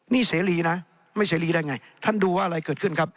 นี่เสรีนะไม่เสรีได้ไงท่านดูว่าอะไรเกิดขึ้นครับ